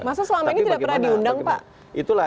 masa selama ini tidak pernah diundang pak